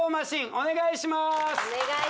お願いします